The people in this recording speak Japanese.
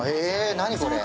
何これ？